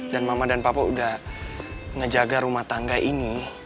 dan mama dan papa udah ngejaga rumah tangga ini